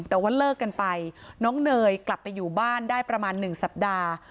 แต่ว่าเลิกกันไปน้องเนยกลับไปอยู่บ้านได้ประมาณ๑สัปดาห์